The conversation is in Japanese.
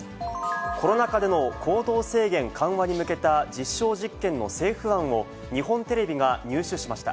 コロナ禍での行動制限緩和に向けた実証実験の政府案を日本テレビが入手しました。